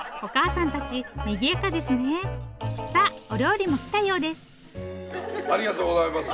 さあお料理もきたようです。